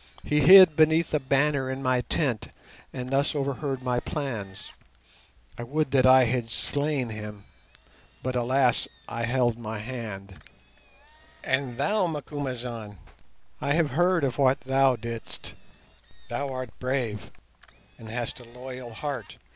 He hid beneath a banner in my tent and thus overheard my plans. I would that I had slain him, but, alas! I held my hand. "And thou, Macumazahn, I have heard of what thou didst; thou art brave, and hast a loyal heart.